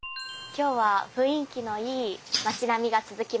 今日は雰囲気のいい町並みが続きますね。